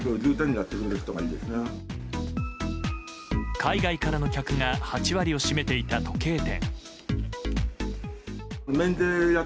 海外からの客が８割を占めていた時計店。